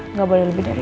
nggak boleh lebih dari